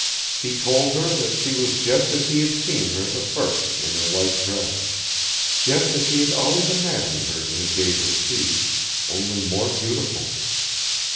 He told her that she was just as he had seen her first in her white dress, just as he had always imagined her in his days at sea, only more beautiful.